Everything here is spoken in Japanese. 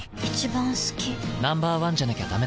Ｎｏ．１じゃなきゃダメだ。